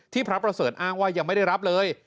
พระประเสริฐอ้างว่ายังไม่ได้รับเลย